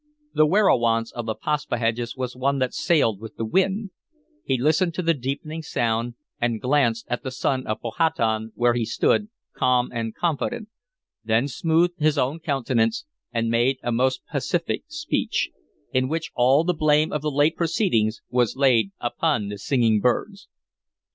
The werowance of the Paspaheghs was one that sailed with the wind; he listened to the deepening sound, and glanced at the son of Powhatan where he stood, calm and confident, then smoothed his own countenance and made a most pacific speech, in which all the blame of the late proceedings was laid upon the singing birds.